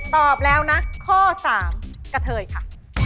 ตอบแล้วนะข้อ๓กะเทยค่ะ